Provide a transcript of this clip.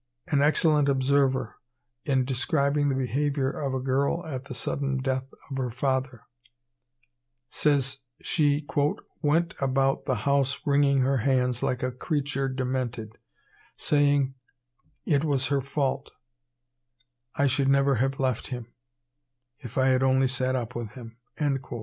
An excellent observer, in describing the behaviour of a girl at the sudden death of her father, says she "went about the house wringing her hands like a creature demented, saying 'It was her fault;' 'I should never have left him;' 'If I had only sat up with him,'" &c.